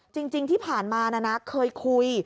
จริงที่ผ่านมานะนะเคยคุย